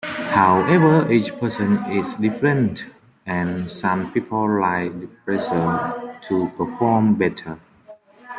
However, each person is different and some people like the pressure to perform better.